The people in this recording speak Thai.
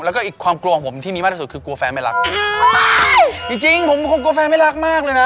แล้วก็อีกความกลัวของผมที่มีมากที่สุดคือกลัวแฟนไม่รักจริงจริงผมคงกลัวแฟนไม่รักมากเลยนะ